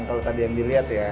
kalau tadi yang dilihat ya